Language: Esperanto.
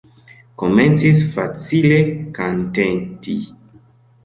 Komencis facile kanteti.